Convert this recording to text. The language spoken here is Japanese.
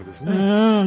うん。